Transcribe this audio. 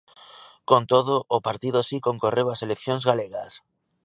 Con todo, o partido si concorreu ás eleccións galegas.